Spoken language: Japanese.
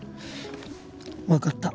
わかった。